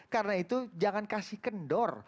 karena itu jangan kasih kendor